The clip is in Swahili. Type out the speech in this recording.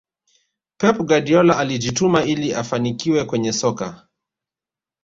pep guardiola alijituma ili afanikiwe kwenye soka